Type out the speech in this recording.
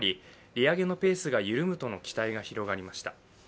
利上げのペースが緩むとの期待が広がりました。